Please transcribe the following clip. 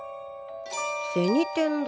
銭天堂？